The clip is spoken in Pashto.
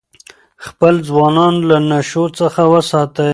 خپل ځوانان له نشو څخه وساتئ.